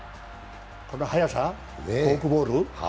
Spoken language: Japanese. この速さ、フォークボール。